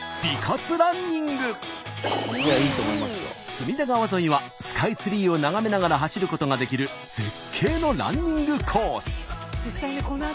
隅田川沿いはスカイツリーを眺めながら走ることができる絶景のランニングコース。